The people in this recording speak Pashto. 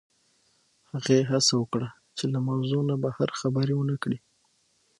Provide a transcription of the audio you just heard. هغې هڅه وکړه چې له موضوع نه بهر خبرې ونه کړي